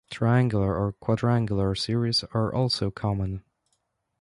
Triangular or quadrangular series are also common.